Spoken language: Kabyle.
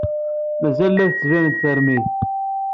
Mazal la d-tettbaned teṛmid.